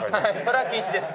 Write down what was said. それは禁止です